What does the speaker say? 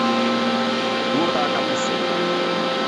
Torta a-a cappuçiña.